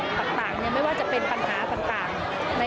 ก็เป็นส่วนที่จะพิสูจน์กันไป